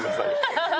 アハハハ。